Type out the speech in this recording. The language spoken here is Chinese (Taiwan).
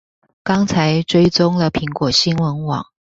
剛才追蹤了蘋果新聞網